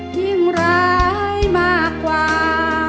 ยิ่งร้ายมากกว่า